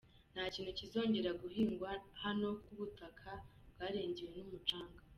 Nta kintu kizongera guhingwa hano kuko ubutaka bwarengewe n’umucanga.